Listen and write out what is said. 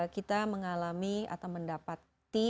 kita mengalami atau mendapati